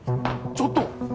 ちょっと！